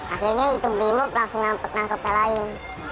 akhirnya itu bimob langsung nampak nangkep yang lain